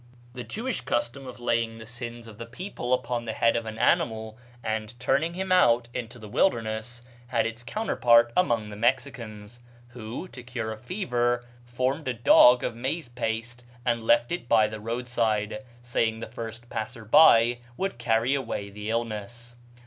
The Jewish custom of laying the sins of the people upon the head of an animal, and turning him out into the wilderness, had its counterpart among the Mexicans, who, to cure a fever, formed a dog of maize paste and left it by the roadside, saying the first passer by would carry away the illness.